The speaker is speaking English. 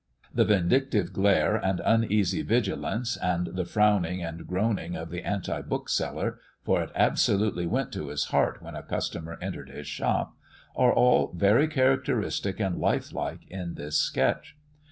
The "vindictive glare and uneasy vigilance," and the frowning and groaning of the anti bookseller (for it absolutely went to his heart when a customer entered his shop), are all very characteristic and life like in this sketch.